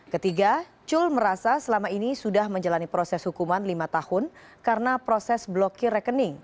ketiga cul merasa selama ini sudah menjalani proses hukuman lima tahun karena proses blokir rekening